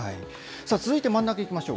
続いて真ん中いきましょう。